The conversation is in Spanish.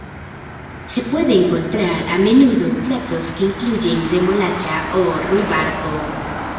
Se puede encontrar a menudo platos que incluyen remolacha y ruibarbo.